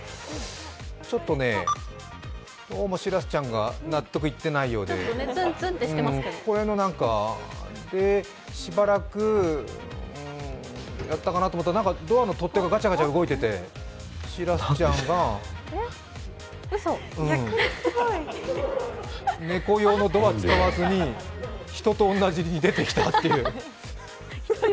ちょっとどうも、しらすちゃんが納得いっていないようでしばらくやったかなと思ったらドアの取っ手がガチャガチャ動いてて、しらすちゃんが、猫用のドア使わずに、人と同じに出てきたと。